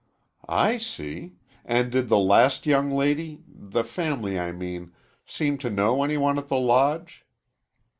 "I see; and did the last young lady the family, I mean seem to know any one at the Lodge?"